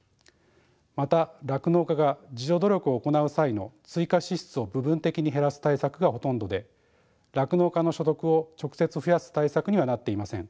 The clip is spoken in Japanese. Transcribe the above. また酪農家が自助努力を行う際の追加支出を部分的に減らす対策がほとんどで酪農家の所得を直接増やす対策にはなっていません。